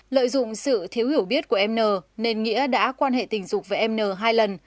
lợi dụng sự thiếu hiểu biết của em n nên nghĩa đã quan hệ tình dục với em n hai lần